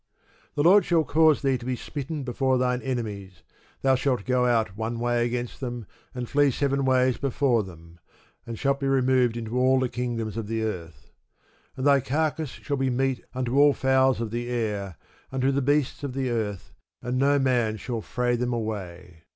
The Lord shall cause thee to be smitten before thine enemies: thou shalt go out one way against them, and flee seven ways before them: and shalt be removed into all the kingdoms of the earth. And thy carcase shall be meat unto all fowls of the air, and unto the beasts of the earth, and no man shall fray them away.